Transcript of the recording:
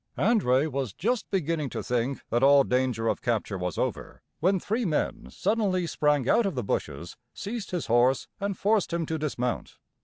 André was just beginning to think that all danger of capture was over, when three men suddenly sprang out of the bushes, seized his horse, and forced him to dismount.